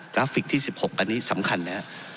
ราฟิกที่๑๖อันนี้สำคัญนะครับ